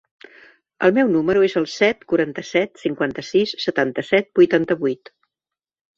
El meu número es el set, quaranta-set, cinquanta-sis, setanta-set, vuitanta-vuit.